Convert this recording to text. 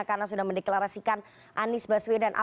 karena sudah mendeklarasikan anies baswedan